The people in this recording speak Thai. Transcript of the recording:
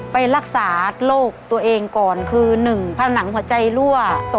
ไปรักษาโรคตัวเองก่อนคือ๑ผนังหัวใจรั่ว